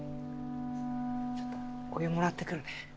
ちょっとお湯もらってくるね。